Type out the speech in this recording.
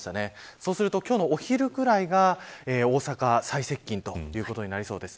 そうすると、今日のお昼ぐらいが大阪に最接近ということになりそうです。